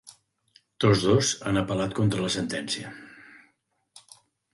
Tots dos han apel·lat contra la sentència.